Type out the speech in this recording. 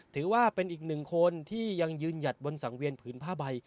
ถือว่าเป็นอีกหนึ่งคนที่ยังยืนหยัดบนสังเวียนผืนผ้าใบ